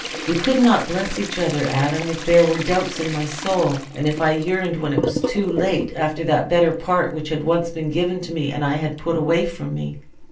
We could not bless each other, Adam, if there were doubts in my soul, and if I yearned, when it was too late, after that better part which had once been given me and I had put away from me."